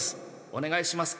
おねがいします。